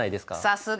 さすが！